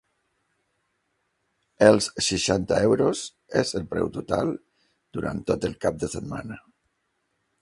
Els seixanta euros és el preu total durant tot el cap de setmana.